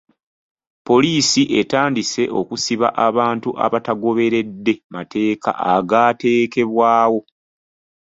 Poliisi etandise okusiba abantu abatagoberedde mateeka agaateekebwawo.